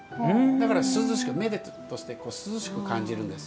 だから涼しく目で涼しく感じるんです。